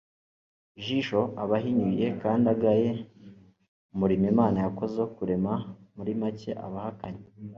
jisho, aba ahinyuye kandi agaye umurimo imana yakoze wo kurema ; muri make aba ahakanye